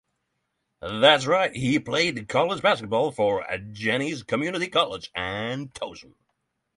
He played college basketball for Genesee Community College and Towson.